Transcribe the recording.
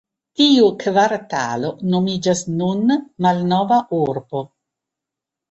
Tiu kvartalo nomiĝas nun "Malnova Urbo".